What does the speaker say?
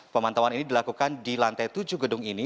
pemantauan ini dilakukan di lantai tujuh gedung ini